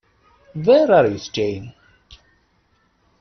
Where are you staying?